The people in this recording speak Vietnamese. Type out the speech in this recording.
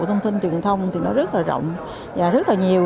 thông tin truyền thông thì nó rất là rộng và rất là nhiều